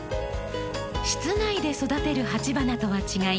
室内で育てる鉢花とは違い